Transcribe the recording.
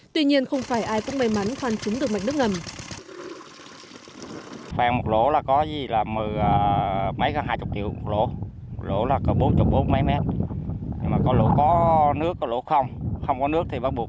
tuy nhiên không phải ai cũng may mắn khoan trúng được mạch nước ngầm